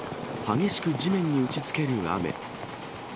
激しく地面に打ちつける雨。